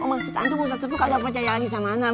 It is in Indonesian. oh maksudnya ustadz sepuh tidak mempercayakan sama aneh begitu